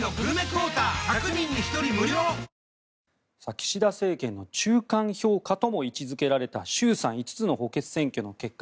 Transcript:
岸田政権の中間評価とも位置付けられた衆参５つの補欠選挙の結果。